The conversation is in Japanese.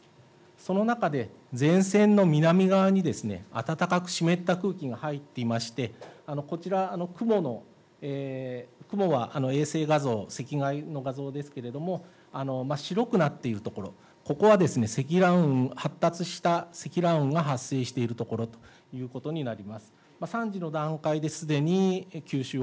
その中で前線の南側に、暖かく湿った空気が入っていまして、こちら、雲は衛星画像、の画像ですけれども、白くなっている所、ここは積乱雲、発達した積乱雲が発生しているということになります。